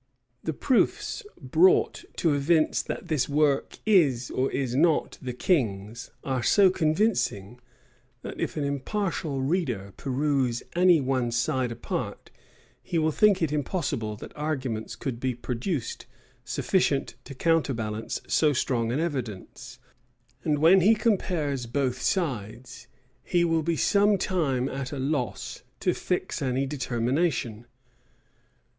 The proofs brought to evince that this work is or is not the king's, are so convincing, that if an impartial reader peruse any one side apart,[*] he will think it impossible that arguments could be produced, sufficient to counterbalance so strong an evidence: and when he compares both sides, he will be some time at a loss to fix any determination.